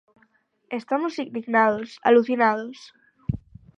Estamos indignados, alucinados.